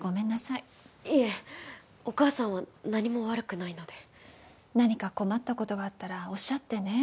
いいえお義母さんは何も悪くないので何か困ったことがあったらおっしゃってね